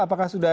apakah sudah ada